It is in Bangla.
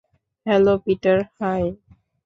Hello, Peter, high!